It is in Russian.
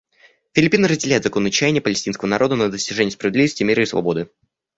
Филиппины разделяют законные чаяния палестинского народа на достижение справедливости, мира и свободы.